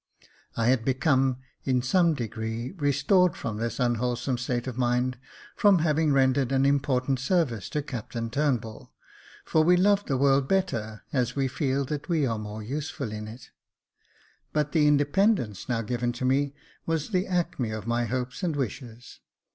I had become in some degree restored from this unwholesome state of mind from having rendered an important service to Captain Turnbull, for we love the world better as we feel that we are more useful in it ; but the independence now given to me was the acme of my hopes and wishes.